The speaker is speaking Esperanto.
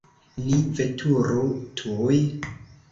Ni veturu tuj!